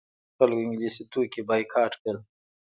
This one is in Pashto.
خلکو انګلیسي توکي بایکاټ کړل.